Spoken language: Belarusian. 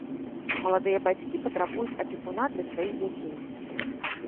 Маладыя бацькі патрабуюць апекуна для сваіх дзяцей.